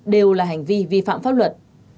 đều là hành vi vi phạm pháp luật